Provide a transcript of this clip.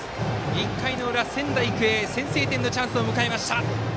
１回裏、仙台育英先制点のチャンスを迎えました。